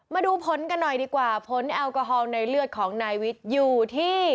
มาดูผลกันหน่อยดีกว่าผลแอลกอฮอล์ในเลือดของนายวิทย์อยู่ที่